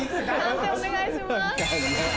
判定お願いします。